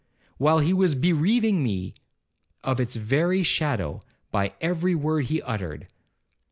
while he was bereaving me of its very shadow, by every word he uttered.